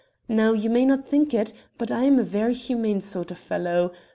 Now, you may not think it, but I am a very humane sort of fellow.